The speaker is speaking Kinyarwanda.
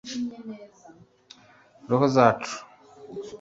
roho zacu